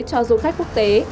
cho du khách quốc tế